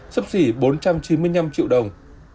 sấp xỉ bốn trăm chín mươi năm triệu đồng